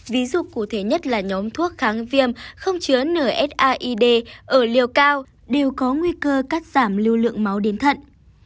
ví dụ cụ thể nhất là nhóm thuốc kháng viêm không chứa nsaid ở liều cao đều có nguy cơ cắt giảm lưu lượng máu đến thận